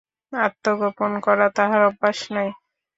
আত্মগোপন করা তাহার অভ্যাস নাই!